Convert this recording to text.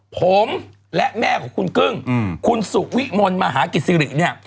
ผมและแม่ของคุณกึ้งคุณสุวิมลมหากิจศิริเนี่ย